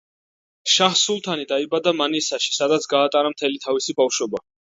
შაჰ სულთანი დაიბადა მანისაში, სადაც გაატარა მთელი თავისი ბავშვობა.